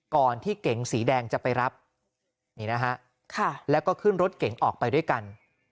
ก่อนที่เก๋งสีแดงจะไปรับนี่นะฮะแล้วก็ขึ้นรถเก๋งออกไปด้วยกัน